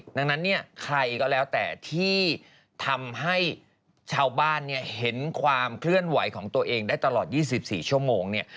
ดังนั้นเนี่ยใครก็แล้วแต่ที่ทำให้ชาวบ้านเนี่ยเห็นความเคลื่อนไหวของตัวเองได้ตลอด๒๔ชั่วโมงเนี่ย